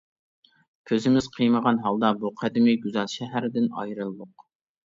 كۆزىمىز قىيمىغان ھالدا بۇ قەدىمىي گۈزەل شەھەردىن ئايرىلدۇق.